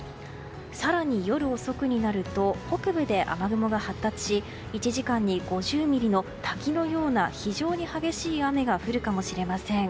更に夜遅くになると北部で雨雲が発達し１時間に５０ミリの滝のような非常に激しい雨が降るかもしれません。